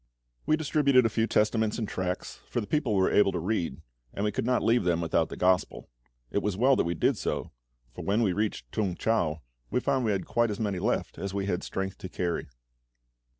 We distributed a few Testaments and tracts, for the people were able to read, and we could not leave them without the Gospel. It was well that we did so, for when we reached T'ung chau we found we had quite as many left as we had strength to carry.